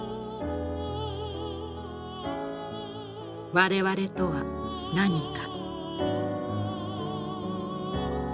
我々とは何か。